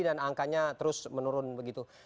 dan angkanya terus menurun begitu